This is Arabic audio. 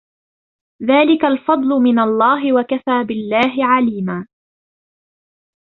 ذَلِكَ الْفَضْلُ مِنَ اللَّهِ وَكَفَى بِاللَّهِ عَلِيمًا